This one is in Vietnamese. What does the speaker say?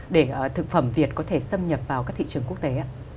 để thực phẩm việt có thể xâm nhập vào các thị trường quốc tế ạ